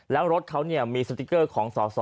แล้วรถเขามีสติ๊กเกอร์ของสอสอ